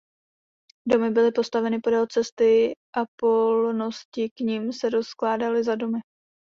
Domy byly postaveny podél cesty a polnosti k nim se rozkládaly za domy.